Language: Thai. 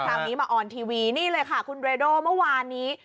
คราวนี้มาออนทีวีนี่เลยค่ะคุณเรโดเมื่อวานนี้